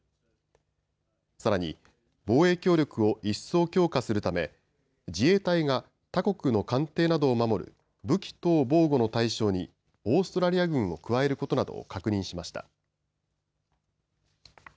さらに防衛協力を一層強化するため、自衛隊が他国の艦艇などを守る武器等防護の対象にオーストラリア軍を加えることなどを確認しました。